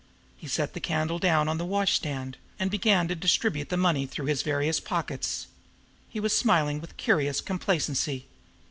He set the candle down on the washstand, and began to distribute the money through his various pockets. He was smiling with curious complacency.